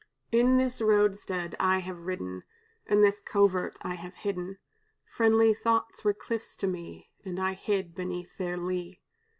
"In this roadstead I have ridden, In this covert I have hidden: Friendly thoughts were cliffs to me, And I hid beneath their lee.